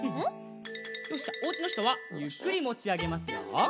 おうちのひとはゆっくりもちあげますよ。